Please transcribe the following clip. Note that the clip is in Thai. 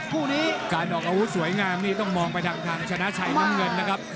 คู่นี้การออกอาวุธสวยงามนี่ต้องมองไปทางชนะชัยน้ำเงินนะครับ